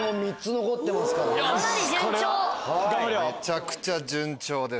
めちゃくちゃ順調です。